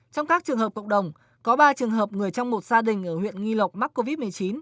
trong các trường hợp cộng đồng có ba trường hợp người trong một gia đình ở huyện nghi lộc mắc covid một mươi chín